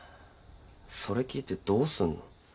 それ聞いてどうすんの。